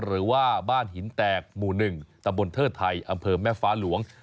หรือว่าบ้านหินแตกหมู่๑ตำบลเทิดไทยอำเภอแม่ฟ้าหลวง